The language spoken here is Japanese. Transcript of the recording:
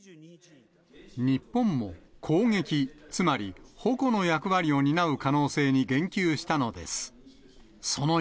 日本も、攻撃、つまり矛の役割を担う可能性に言及したのです。